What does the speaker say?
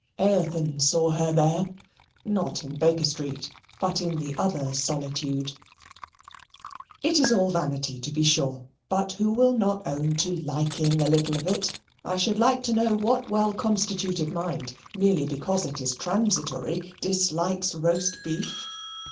Eothen saw her there not in Baker Street, but in the other solitude. It is all vanity to be sure, but who will not own to liking a little of it? I should like to know what well constituted mind, merely because it is transitory, dislikes roast beef?